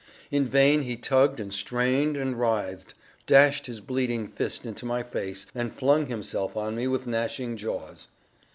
In vain he tugged and strained and writhed, dashed his bleeding fist into my face, and flung himself on me with gnashing jaws.